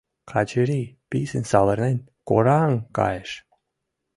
Качырий, писын савырнен, кораҥ кайыш.